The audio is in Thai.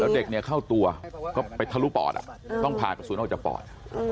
เด็กเนี่ยเข้าตัวก็ไปทะลุปอดต้องผ่ากระสุนออกจากปอด